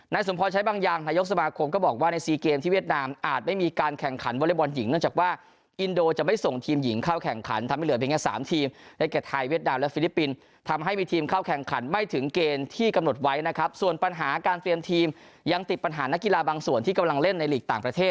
ในสมพอร์ตใช้บางอย่างนายกสมาคมก็บอกว่าในซีเกมที่เวียดนามอาจไม่มีการแข่งขันวอเลทบอลหญิง